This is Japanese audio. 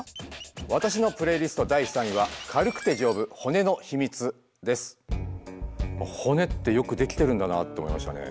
わたしのプレイリスト第３位は骨ってよくできてるんだなって思いましたね。